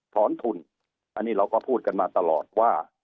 ถอนทุนอันนี้เราก็พูดกันมาตลอดว่า